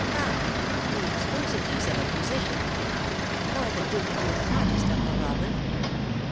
"Ha! The exclusiveness of a musician." "Or the dignity of an artist, Uncle Robert."